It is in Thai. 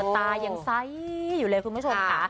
ตายังไซส์อยู่เลยคุณผู้ชมค่ะ